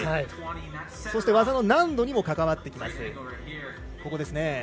そして、技の難度にも関わってきます。